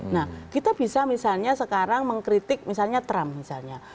nah kita bisa misalnya sekarang mengkritik misalnya trump misalnya